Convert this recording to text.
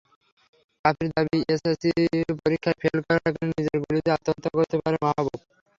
কাফির দাবি, এসএসসি পরীক্ষায় ফেল করার কারণে নিজের গুলিতে আত্মহত্যা করতে পারেন মাহবুব।